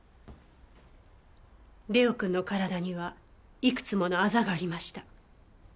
玲央君の体にはいくつもの痣がありました。